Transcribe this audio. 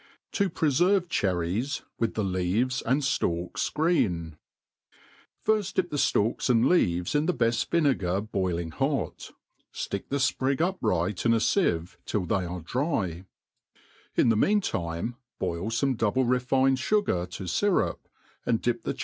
«•• To preferve Cherries tviih thi Leaves and Stalks grftn* FIRST dip the ftalks and leaves in the heft vinegar boiling hot, flick the fprig upright in a fieve till they are dry ; in chs; mean time boil fome double refined fugar to fyrup, and dip the ch